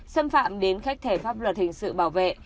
xâm phạm đến khách thể pháp luật hình sự bảo vệ